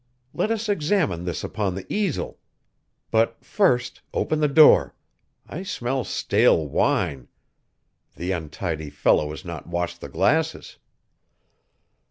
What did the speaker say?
Let us examine this upon the easel. But first, open the door. I smell stale wine. The untidy fellow has not washed the glasses!"